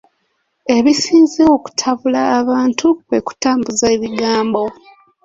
Ebisinze okutabula abantu kwe kutambuza ebigambo.